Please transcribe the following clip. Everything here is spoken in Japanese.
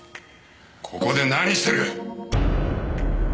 ここで何してる！